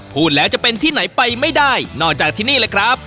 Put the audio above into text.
พูดแล้วจะเป็นที่ไหนไปไม่ได้นอกจากที่นี่เลยครับ